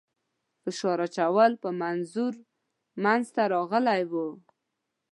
فشار اچولو په منظور منځته راغلی وو.